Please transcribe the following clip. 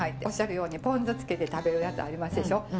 おっしゃるようにポン酢つけて食べるやつありますでしょ？